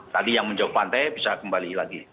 tadi yang menjauh pantai bisa kembali lagi